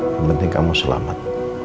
yang penting kamu selamat